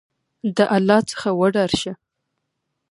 د الله څخه وډار شه !